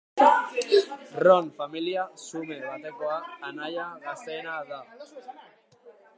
Ron familia xume batekoa anaia gazteena da.